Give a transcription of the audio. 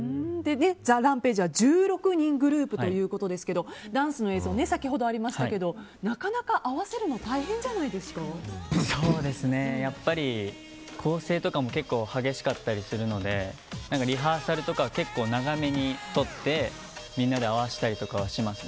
ＴＨＥＲＡＭＰＡＧＥは１６人グループということでダンスの映像先ほどもありましたがなかなか合わせるの構成とかも結構激しかったりするのでリハーサルとか結構長めにとってみんなで合わせたりとかはします。